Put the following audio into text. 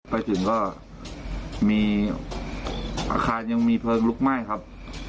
ไปถึงก็มีอาคารยังมีเพลิงลุกไหม้ครับ